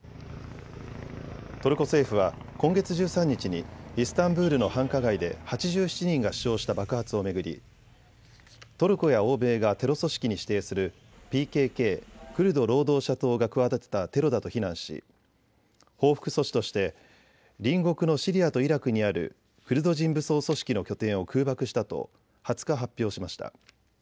トルコ政府は今月１３日にイスタンブールの繁華街で８７人が死傷した爆発を巡りトルコや欧米がテロ組織に指定するＰＫＫ・クルド労働者党が企てたテロだと非難し報復措置として隣国のシリアとイラクにあるクルド人武装組織の拠点を空爆したと２０日、発表しました。